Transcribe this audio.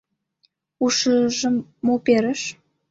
Ушыжым мо перыш?